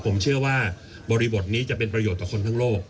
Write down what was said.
ผมเชื่อว่าบริบทนี้จะเป็นประโยชน์ต่อคนทั้งโลก